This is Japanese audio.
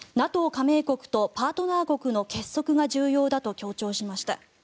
加盟国とパートナー国の結束が重要だと強調しました。